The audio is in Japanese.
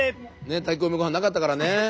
炊き込みごはんなかったからね。